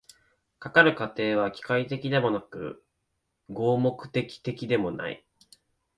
かかる過程は機械的でもなく合目的的でもない。